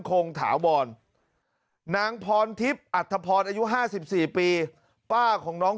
คงถาวรนางพรทิพย์อัตภพรอายุห้าสิบสี่ปีป้าของน้อง